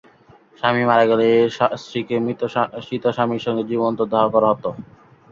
স্বামী মারা গেলে স্ত্রীকে মৃত স্বামীর সঙ্গে জীবন্ত দাহ করা হত।